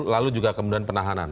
lalu juga kemudian penahanan